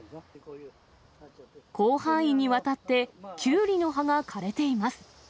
広範囲にわたってキュウリの葉が枯れています。